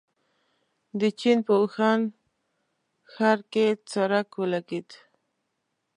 د چين په ووهان ښار کې څرک ولګېد.